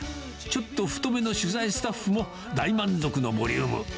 ちょっと太めの取材スタッフも大満足のボリューム。